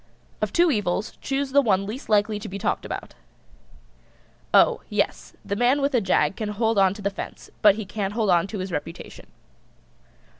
"] Of two evils choose the one least likely to be talked about. Oh, yes, the man with a jag can hold on to the fence, but he can't hold on to his reputation.